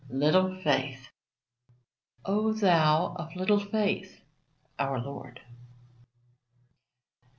LITTLE FAITH "O thou of little faith." Our Lord.